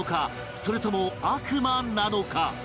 それとも悪魔なのか？